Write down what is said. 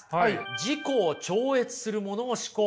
「自己を超越するものを思考する」。